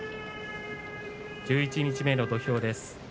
十一日目の土俵です。